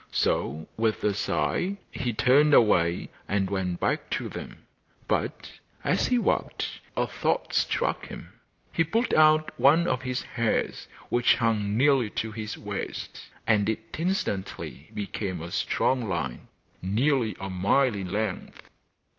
So with a sigh he turned away and went back to them, but, as he walked, a thought struck him. He pulled out one of his hairs which hung nearly to his waist, and it instantly became a strong line, nearly a mile in length.